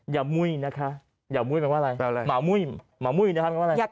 อย่ามุ่ยนะคะอย่ามุ่ยมันว่าอะไรหม่ามุ่ยหม่ามุ่ยมันว่าอะไร